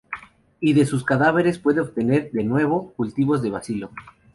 Y de sus cadáveres puede obtener, de nuevo, cultivos del bacilo.